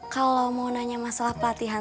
kalau mau nanya masalah pelatihan